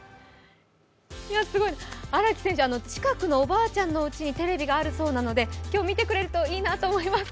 すごい、荒木選手近くのおばあちゃんの家にテレビがあるそうなので今日は見てくれるといいなと思います。